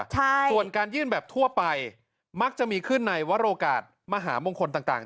ใช่ส่วนการยื่นแบบทั่วไปมักจะมีขึ้นในวรโอกาสมหามงคลต่างต่าง